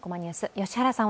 良原さん